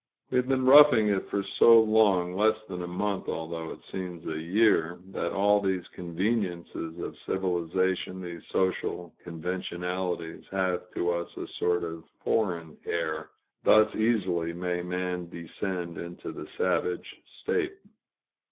We have been roughing it for so long, less than a month, although it seems a year, that all these conveniences of civilization, these social conventionalities, have to us a sort of foreign air. Thus easily may man descend into the savage state.